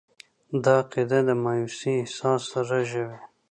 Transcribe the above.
دا عقیده د مایوسي احساس رژوي.